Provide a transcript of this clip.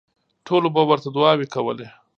ټولو به ورته دوعاوې کولې.